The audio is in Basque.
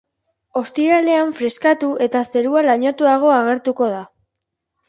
Ostiralean freskatu eta zerua lainotuago agertuko da.